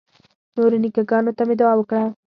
نورو نیکه ګانو ته مې دعا وکړه.